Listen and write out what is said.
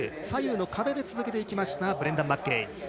左右の壁で続けていきましたブレンダン・マッケイ。